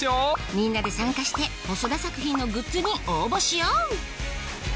みんなで参加して細田作品のグッズに応募しよう！